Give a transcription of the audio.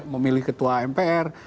memilih ketua mpr